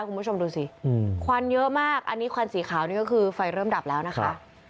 คุณผู้ชมดูสิควันเยอะมากอันนี้ควันสีขาวนี่ก็คือไฟเริ่มดับแล้วนะคะ